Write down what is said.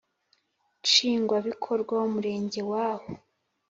Nshingwabikorwa w Umurenge w aho